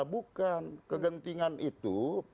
bukan kegentingan itu